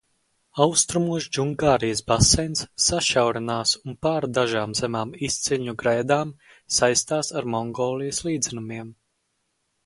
Austrumos Džungārijas baseins sašaurinās un pāri dažām zemām izciļņu grēdām saistās ar Mongolijas līdzenumiem.